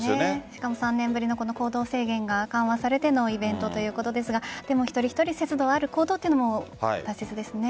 しかも３年ぶりの行動制限が緩和されてのイベントということですから一人一人節度ある行動というのも大切ですね。